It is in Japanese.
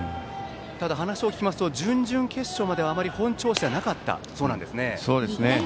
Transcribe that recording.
ただ、話を聞きますと準々決勝まではあまり本調子ではなかったそうなんですね。